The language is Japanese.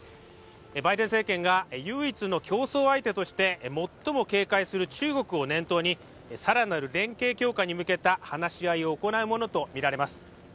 バイデン政権が唯一の競争相手として最も警戒する中国を念頭に更なる連携強化に向けた話し合いを行うものとみられます。